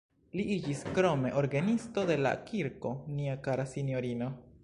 Li iĝis krome orgenisto de la Kirko Nia kara sinjorino.